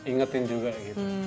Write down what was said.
kita ingetin juga gitu